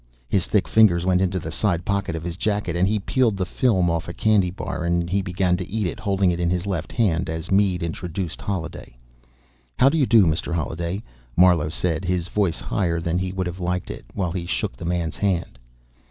His thick fingers went into the side pocket of his jacket and peeled the film off a candy bar, and he began to eat it, holding it in his left hand, as Mead introduced Holliday. "How do you do, Mr. Holliday?" Marlowe said, his voice higher than he would have liked it, while he shook the man's hand.